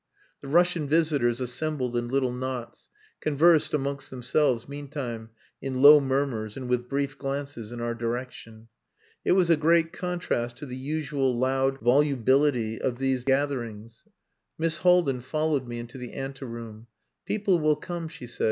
The Russian visitors assembled in little knots, conversed amongst themselves meantime, in low murmurs, and with brief glances in our direction. It was a great contrast to the usual loud volubility of these gatherings. Miss Haldin followed me into the ante room. "People will come," she said.